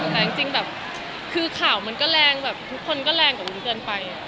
แต่จริงแบบคือข่าวมันก็แรงแบบทุกคนก็แรงกว่าวุ้นเกินไป